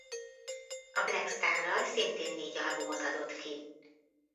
A Black Starral szintén négy albumot adott ki.